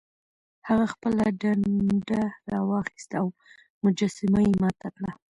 هغه خپله ډنډه راواخیسته او مجسمه یې ماته کړه.